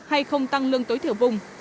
hay không tăng lương tối thiểu vùng